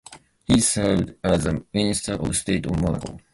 He served as the Minister of State of Monaco.